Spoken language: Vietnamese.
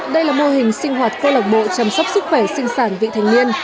đây là mô hình sinh hoạt cô lạc bộ chăm sóc sức khỏe sinh sản vị thanh niên